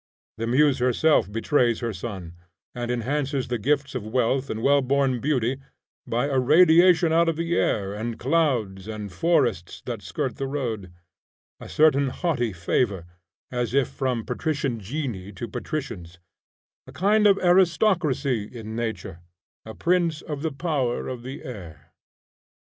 The muse herself betrays her son, and enhances the gifts of wealth and well born beauty by a radiation out of the air, and clouds, and forests that skirt the road, a certain haughty favor, as if from patrician genii to patricians, a kind of aristocracy in nature, a prince of the power of the air.